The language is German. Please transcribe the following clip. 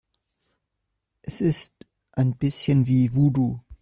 Es ist ein bisschen wie Voodoo.